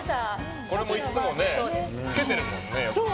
これもいつも着けてるもんね。